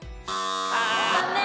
残念。